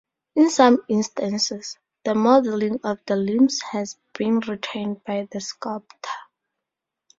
In some instances the modeling of the limbs has been retained by the sculptor.